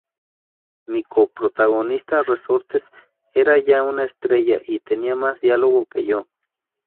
Mi co-protagonista, Resortes, era ya una estrella y tenía más diálogo que yo.